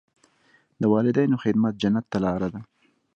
د والدینو خدمت جنت ته لاره ده.